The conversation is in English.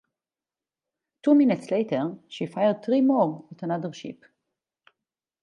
Two minutes later, she fired three more at another ship.